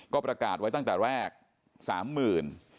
ก็ประกาศไว้ตั้งแต่แรก๓๐๐๐บาท